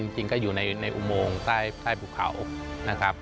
จริงก็อยู่ในอุโมงใต้ภูเขานะครับ